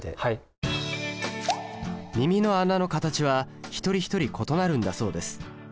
耳の穴の形は一人一人異なるんだそうです。